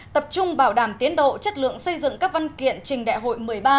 tập trung bảo đảm tiến độ chất lượng xây dựng các văn kiện trình đại hội một mươi ba